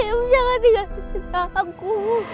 abim jangan tinggal dengan aku